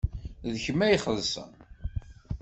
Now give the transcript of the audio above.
D kemm ad ixellṣen.